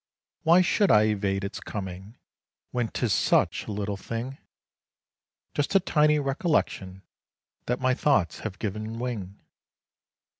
Why should I evade its coming, when 'tis such a little thing? Just a tiny recollection that my thoughts have given wing.